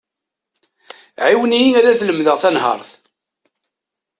Ɛiwen-iyi ad lemdeɣ tanehart.